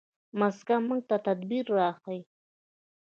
مځکه موږ ته تدبر راښيي.